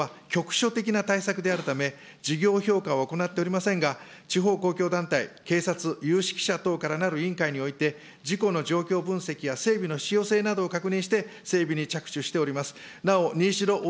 これらの事業は、局所的な対策であるため、事業評価は行っておりませんが、地方公共団体、警察、有識者からなる委員会において、事故の状況分析や整備の必要性を確認して、整備に着手しております。